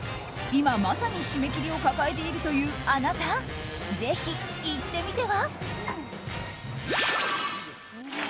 今まさに締め切りを抱えているという、あなたぜひ行ってみては？